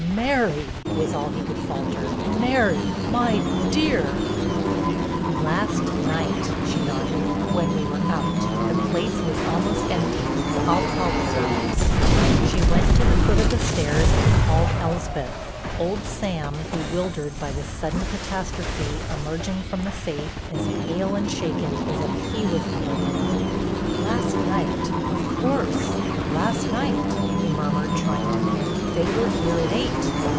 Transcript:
"Mary!" was all he could falter. "Mary, my dear!" "Last night," she nodded, "when we were out. The place was almost empty. I'll call the servants." She went to the foot of the stairs and called Elspeth, old Sam, bewildered by this sudden catastrophe, emerging from the safe, as pale and shaken as if he was the burglar. "Last night, of course last night," he murmured, trying to think. "They were here at eight.